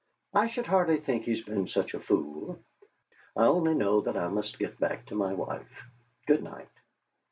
I should hardly think he's been such a fool. I only know that I must get back to my wife. Good night."